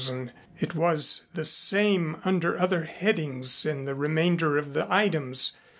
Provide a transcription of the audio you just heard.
It was the same under other headings in the remainder of the items.